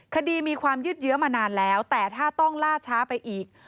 คดีมีความยืดเยอะมานานแล้วแต่ถ้าต้องล่าช้าไปอีก